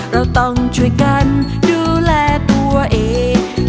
เราต้องช่วยกันดูแลตัวเอง